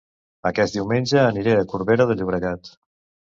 Aquest diumenge aniré a Corbera de Llobregat